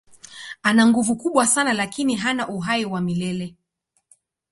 Ana nguvu kubwa sana lakini hana uhai wa milele.